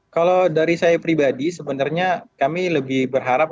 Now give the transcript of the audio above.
kalau dari saya pribadi sebenarnya kami lebih berharap